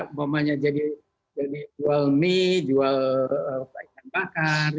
umpamanya jadi jual mie jual ikan bakar